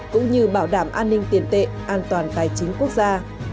cũng như bảo đảm an ninh tiền tệ an toàn tài chính quốc gia